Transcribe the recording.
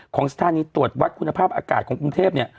ของสถานีตรวจวัดคุณภาพอากาศของกรุงเทพเนี่ย